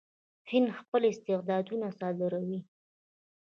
هند خپل استعدادونه صادروي.